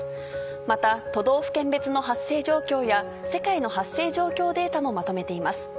また都道府県別の発生状況や世界の発生状況データもまとめています。